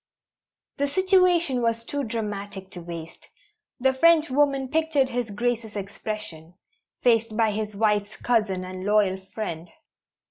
The situation was too dramatic to waste. The Frenchwoman pictured His Grace's expression, faced by his wife's cousin and loyal friend.